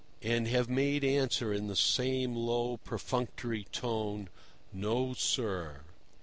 And have made answer in the same low, perfunctory tone "No, sir."